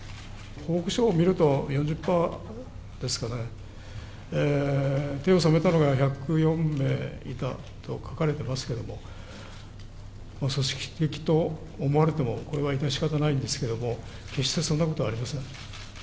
報告書を見ると４０パーですかね、手を染めたのが１０４名いたと書かれてますけれども、組織的と思われても、これは致し方ないんですけども、決してそんなことはありません。